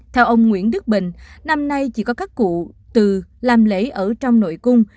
theo ông nguyễn đức bình năm nay chỉ có các cụ từ làm lễ ở trong nội cung